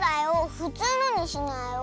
ふつうのにしなよ。